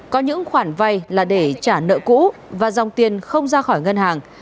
có những khoản vay là để trả nợ cũ và dòng tiền không ra khỏi ngân hàng